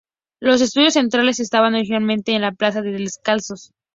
Los estudios centrales estaban originalmente en la Plaza de los Descalzos.